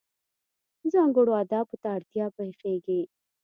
ځانګړو آدابو ته اړتیا پېښېږي.